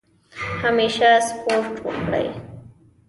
همیشه سپورټ وکړئ.